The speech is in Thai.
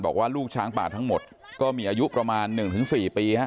บอกว่าลูกช้างป่าทั้งหมดก็มีอายุประมาณหนึ่งถึงสี่ปีฮะ